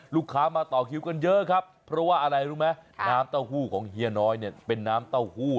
ลูกค้ามาต่อคิวกันเยอะครับเพราะว่าอะไรรู้ไหมน้ำเต้าหู้ของเฮียน้อยเนี่ยเป็นน้ำเต้าหู้